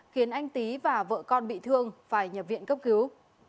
khiến anh tý và vợ con bị thương phải nhập viện cấp cứu